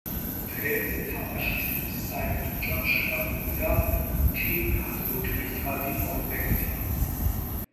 დღემდე, თამაშისთვის, საერთო ჯამში, გამოვიდა ხუთი გადმოტვირთვადი კონტენტი.